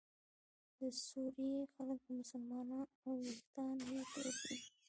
د سوریې خلک مسلمانان او ویښتان یې تور دي.